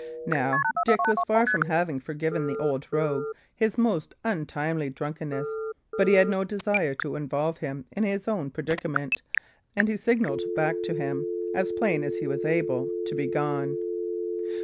Now, Dick was far from having forgiven the old rogue his most untimely drunkenness, but he had no desire to involve him in his own predicament; and he signalled back to him, as plain as he was able, to begone.